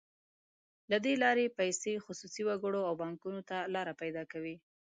له دې لارې پیسې خصوصي وګړو او بانکونو ته لار پیدا کوي.